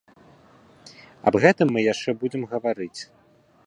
Аб гэтым мы яшчэ будзем гаварыць.